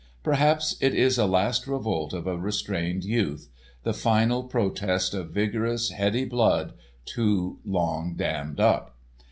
Perhaps it is a last revolt of a restrained youth—the final protest of vigorous, heady blood, too long dammed up.